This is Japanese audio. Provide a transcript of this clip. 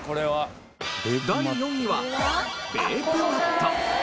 第４位はベープマット。